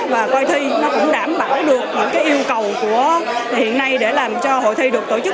và coi thi nó cũng đảm bảo được những yêu cầu của hiện nay để làm cho hội thi được tổ chức